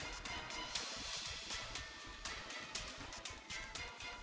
terima kasih pak